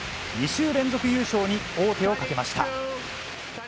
２週連続優勝に王手をかけました。